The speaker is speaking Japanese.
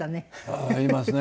ああいますね。